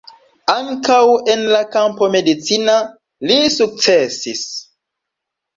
Ankaŭ en la kampo medicina li sukcesis.